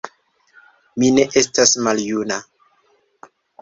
Mi ne estas maljuna